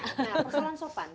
nah persoalan sopan